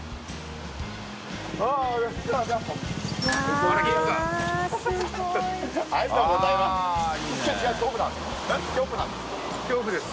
ありがとうございます。